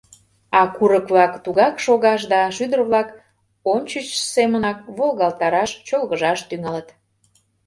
А курык-влак тугак шогаш да шӱдыр-влак ончычсышт семынак волгалтараш, чолгыжаш тӱҥалыт.